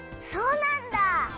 そうなんだ！